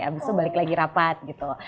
abis itu balik lagi rapat gitu